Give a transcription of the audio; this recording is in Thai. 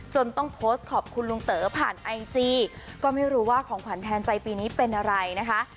ต้องโพสต์ขอบคุณลุงเต๋อผ่านไอจีก็ไม่รู้ว่าของขวัญแทนใจปีนี้เป็นอะไรนะคะ